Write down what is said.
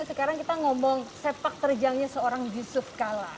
sekarang kita ngomong sepak terjangnya seorang yusuf kalla